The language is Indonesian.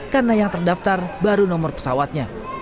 karena yang terdaftar baru nomor pesawatnya